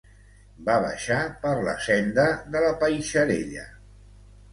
Va baixar per la senda de la Paixarella.